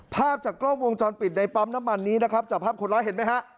ภาพจากกล้องวงจรปิดในปั๊มน้ำมันนี้นะครับจากภาพคนร้ายเห็นไหมฮะ